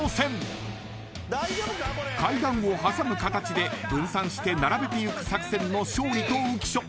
［階段を挟む形で分散して並べていく作戦の勝利と浮所。